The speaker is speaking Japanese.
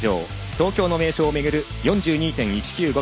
東京の名所を巡る４２．１９５